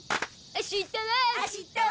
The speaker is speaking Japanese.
「あしたは」